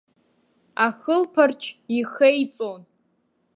Ахылԥарч ихеиҵон.